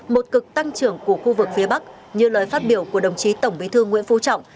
một cực tăng trưởng của khu vực phía bắc như lời phát biểu của đồng chí tổng bí thư nguyễn phú trọng